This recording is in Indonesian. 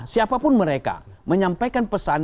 siapapun mereka menyampaikan pesan